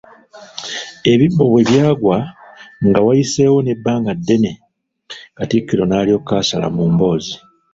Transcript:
Ebibbo bwe byaggwa, nga wayiseewo n'ebbanga ddene, Katikkiro n'alyoka asala mu mboozi.